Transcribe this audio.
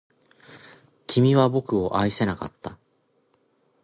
君は僕を愛せなかった